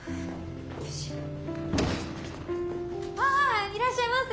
あいらっしゃいませ！